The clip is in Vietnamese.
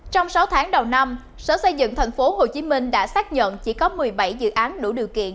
trong sáu tháng đầu năm sở xây dựng tp hcm đã xác nhận chỉ có một mươi bảy dự án đủ điều kiện